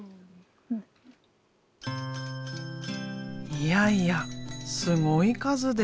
いやいやすごい数です。